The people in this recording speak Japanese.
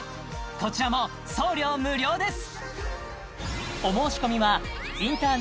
こちらも送料無料です